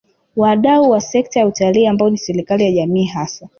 Wadau wa wa sekta ya Utalii ambao ni serikali na jamii hasa